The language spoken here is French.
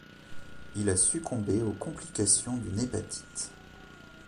Il a succombé aux complications d’une hépatite.